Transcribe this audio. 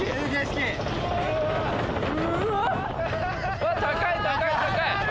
うわっ高い高い高い！